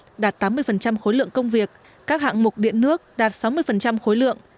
khối lượng thi công trình khối nhà chính đã đạt tám mươi khối lượng công việc các hạng mục điện nước đạt sáu mươi khối lượng